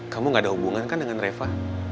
kamu gak ada hubungan kan dengan reva